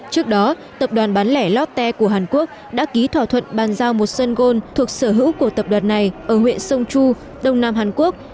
trước đó tập đoàn bán lẻ lotte của hàn quốc đã ký thỏa thuận bàn giao một sân gôn thuộc sở hữu của tập đoàn này ở huyện sông chu đông nam hàn quốc